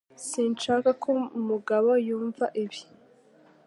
Sinshaka ko mugabo yumva ibi